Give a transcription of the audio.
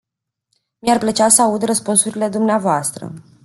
Mi-ar plăcea să aud răspunsurile dvs.